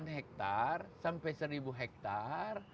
ada yang hektare sampai seribu hektare